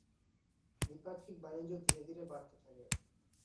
দ্বিপাক্ষিক বাণিজ্য ধীরে ধীরে বাড়তে থাকে।